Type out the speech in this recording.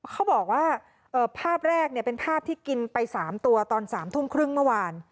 เขาบอกว่าภาพแรกเป็นภาพที่กินไป๓ตัวตอน๓ทุ่มครึ่งเมื่อวาน